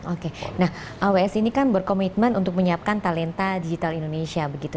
oke nah aws ini kan berkomitmen untuk menyiapkan talenta digital indonesia begitu